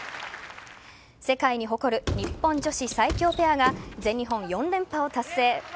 世界に誇る日本女子最強ペアが全日本４連覇を達成。